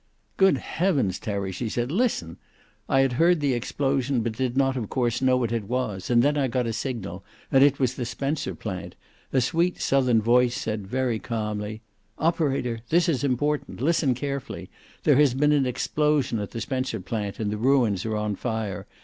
"Good heavens, Terry," she said. "Listen! I had heard the explosion, but did not of course know what it was. And then I got a signal, and it was the Spencer plant. A sweet Southern voice said, very calmly, 'Operator, this is important. Listen carefully. There has been an explosion at the Spencer plant and the ruins are on fire.